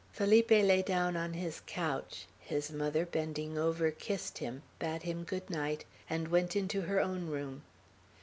Felipe lay down on his couch; his mother, bending over, kissed him, bade him good night, and went into her own room.